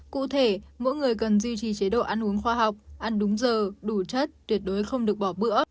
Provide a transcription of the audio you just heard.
cụ thể mỗi người cần duy trì chế độ ăn uống khoa học ăn đúng giờ đủ chất tuyệt đối không được bỏ bữa